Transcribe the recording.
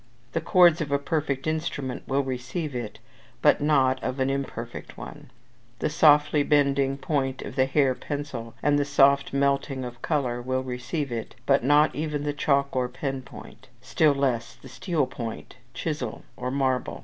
The chords of a perfect instrument will receive it, but not of an imperfect one; the softly bending point of the hair pencil, and soft melting of colour, will receive it, but not even the chalk or pen point, still less the steel point, chisel, or marble.